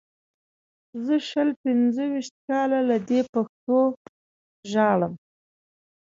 زه شل پنځه ویشت کاله له دې پښتو ژاړم.